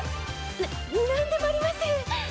ななんでもありません。